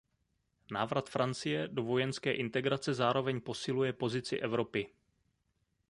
Návrat Francie do vojenské integrace zároveň posiluje pozici Evropy.